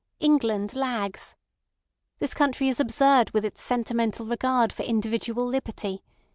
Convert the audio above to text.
England lags. This country is absurd with its sentimental regard for individual liberty.